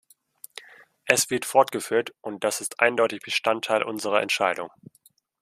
Es wird fortgeführt, und das ist eindeutig Bestandteil unserer Entscheidung.